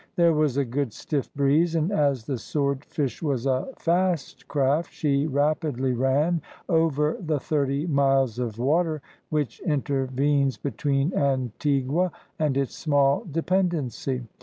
There was a good stiff breeze, and as the Swordfish was a fast craft, she rapidly ran over the thirty miles of water which intervenes between Antigua and its small dependency.